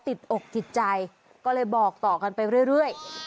ติดอกติดใจก็เลยบอกต่อกันไปเรื่อย